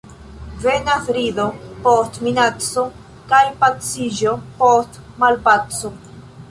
Venas rido post minaco, kaj paciĝo post malpaco.